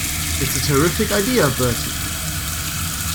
It's a terrific idea, Bertie.